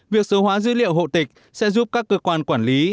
việc số hóa dữ liệu hồ tịch sẽ giúp các cơ quan quản lý